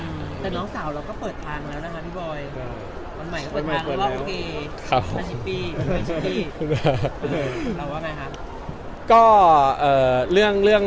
แต่น้องสาวเราก็เปิดทางแล้วนะฮะพี่บอย